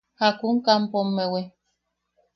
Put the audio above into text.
¿Jakun kampomewi?